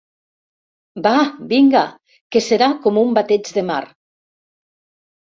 Vaaa, vinga, que serà com un bateig de mar.